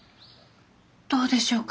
どうでしょうか？